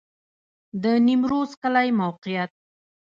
د نیمروز کلی موقعیت